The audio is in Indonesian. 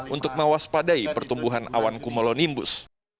untuk mewaspadai pertumbuhan awan kumolonimbus